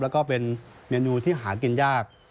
แล้วก็เป็นเมนูที่หากินยาก